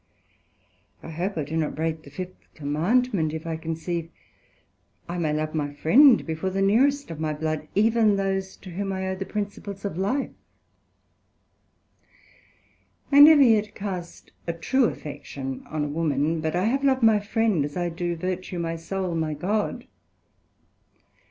I hope I do not break the fifth Commandment, if I conceive I may love my friend before the nearest of my blood, even those to whom I owe the principles of life: I never yet cast a true affection on a woman, but I have loved my friend as I do virtue, my soul, my God.